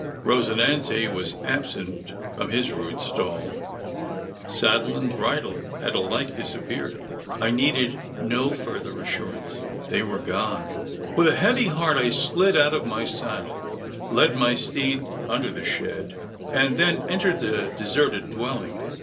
Rosinante was absent from his rude stall saddle and bridle had alike disappeared. I needed no further assurance. They were gone. With a heavy heart, I slid out of my saddle; led my steed under the shed; and then entered the deserted dwelling.